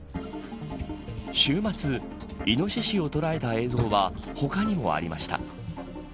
週末、イノシシを捉えた映像は他にもありました。